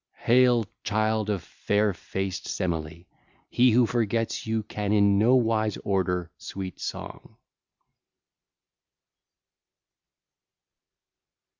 (ll. 58 59) Hail, child of fair faced Semele! He who forgets you can in no wise order sweet song.